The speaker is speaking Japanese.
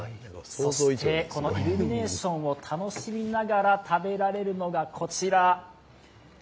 そしてイルミネーションを楽しみながら食べられるのがこちら。